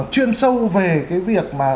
chuyên sâu về cái việc mà